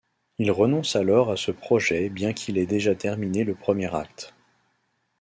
Il renonce alors à ce projet bien qu'il ait déjà terminé le premier acte.